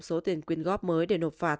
số tiền quyền góp mới để nộp phạt